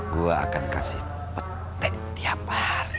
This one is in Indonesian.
gue akan kasih petek tiap hari